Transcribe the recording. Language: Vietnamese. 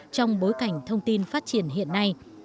trong bối cảnh thông tin phát triển hiện nay